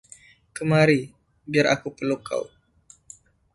Kemari, biar aku peluk kau!